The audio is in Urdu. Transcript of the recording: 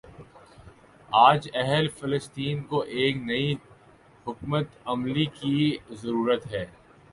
آج اہل فلسطین کو ایک نئی حکمت عملی کی ضرورت ہے۔